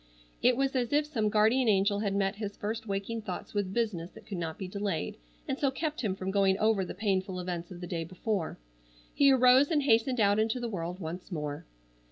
It was as if some guardian angel had met his first waking thoughts with business that could not be delayed and so kept him from going over the painful events of the day before. He arose and hastened out into the world once more.